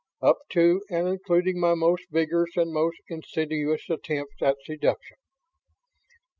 Up to and including my most vigorous and most insidious attempts at seduction."